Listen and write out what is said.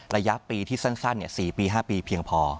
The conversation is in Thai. ระยะปีที่สั้น๔ปี๕ปีเพียงพอ